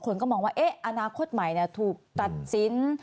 คนก็มองว่าอนาคตใหม่ถูกตัดสิน